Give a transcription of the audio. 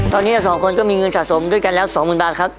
ตอนนี้สองคนก็มีเงินชะสมด้วยกันแล้วสองหมื่นบาทครับ